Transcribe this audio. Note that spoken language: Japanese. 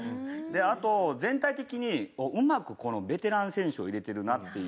あと全体的にうまくベテラン選手を入れてるなっていう。